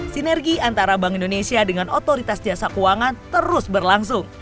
sinergi antara bank indonesia dengan otoritas jasa keuangan terus berlangsung